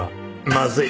まずい。